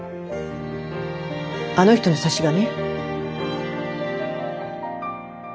あの人の差し金？